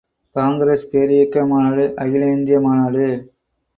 காங்கிரஸ் பேரியக்க மாநாடு அகில இந்திய மாநாடு.